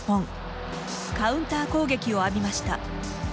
カウンター攻撃を浴びました。